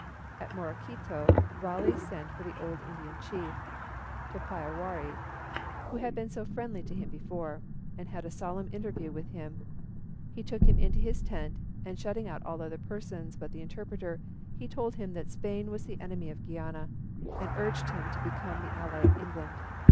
At Morequito, Raleigh sent for the old Indian chief, Topiawari, who had been so friendly to him before, and had a solemn interview with him. He took him into his tent, and shutting out all other persons but the interpreter, he told him that Spain was the enemy of Guiana, and urged him to become the ally of England.